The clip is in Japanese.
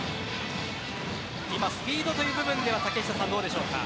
スピードという部分ではどうでしょうか。